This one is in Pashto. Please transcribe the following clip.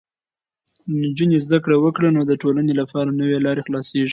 که نجونې زده کړه وکړي، نو د ټولنې لپاره نوې لارې خلاصېږي.